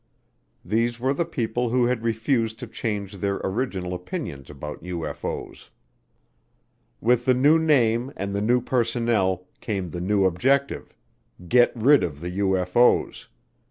These were the people who had refused to change their original opinions about UFO's. With the new name and the new personnel came the new objective, get rid of the UFO's.